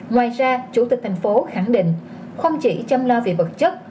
ngoài ra chủ tịch thành phố khẳng định không chỉ chăm lo về vật chất